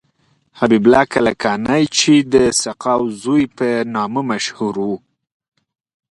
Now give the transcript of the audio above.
حبیب الله کلکانی چې د سقاو زوی په نامه مشهور و.